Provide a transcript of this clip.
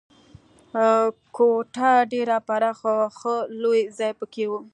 کوټه ډېره پراخه وه، ښه لوی ځای پکې و.